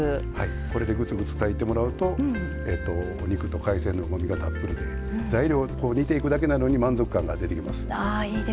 これでぐつぐつ炊いてもらうと肉と海鮮のうまみがたっぷりで材料を煮ていくだけなのに満足感が出てきます。